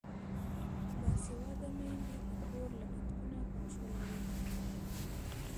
باسواده میندې د کور لګښتونه کنټرولوي.